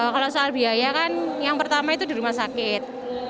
kalau soal biaya kan yang pertama itu di rumah sakit